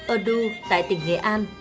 odoo tại tỉnh nghệ an